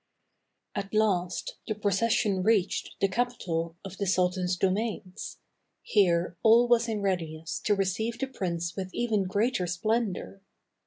At last the procession reached the capital of the sultan's domains. Here all was in readiness to receive the prince with even greater splendor.